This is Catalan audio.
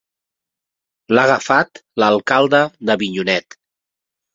L'ha agafat l'alcalde d'Avinyonet.